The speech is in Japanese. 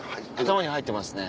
頭に入ってますね。